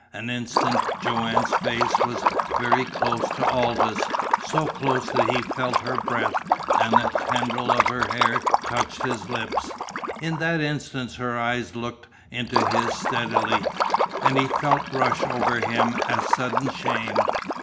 An instant Joanne's face was very close to Aldous', so close that he felt her breath, and a tendril of her hair touched his lips. In that instant her eyes looked into his steadily, and he felt rush over him a sudden shame.